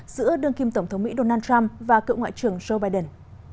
giữa đương kim tổng thống mỹ donald trump và cựu ngoại trưởng joe biden